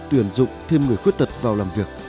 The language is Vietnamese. tuyển dụng thêm người khuyết tật vào làm việc